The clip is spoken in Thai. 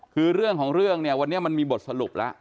คือเรื่องของเรื่องเนี่ยวันนี้มันมีบทสรุปแล้ว